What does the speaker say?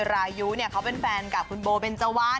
รายุเนี่ยเขาเป็นแฟนกับคุณโบเบนเจวัน